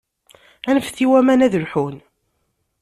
Anfet i waman ad lḥun.